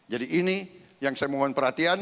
jadi ini yang saya mohon perhatian